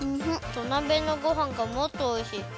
土鍋のごはんがもっとおいしい。